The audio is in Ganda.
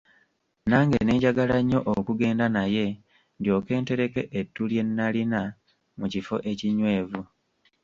Nange ne njagala nnyo okugenda naye ndyoke ntereke ettu lye nalina mu kifo ekinywevu.